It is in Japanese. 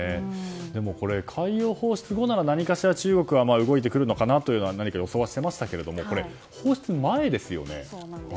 でも、海洋放出後なら何かしら中国は動いてくるのかなという何か予想はしていましたけどこれ、放出前ですよね。